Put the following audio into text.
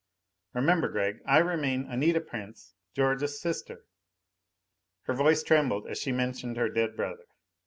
"Remember, Gregg, I remain Anita Prince, George's sister." Her voice trembled as she mentioned her dead brother.